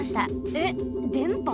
えっでんぱ？